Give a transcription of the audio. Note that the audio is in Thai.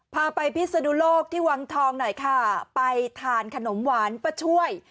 พาไปพิศนุโลกที่วังทองหน่อยค่ะไปทานขนมหวานป้าช่วย